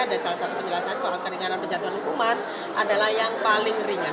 salah satu penjelasan soal keringanan penjatuhan hukuman adalah yang paling ringan